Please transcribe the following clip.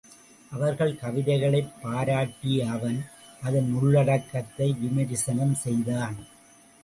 அவர்கள் கவிதைகளைப் பாராட்டிய அவன் அதன் உள்ளடக்கத்தை விமரிசனம் செய்தான்.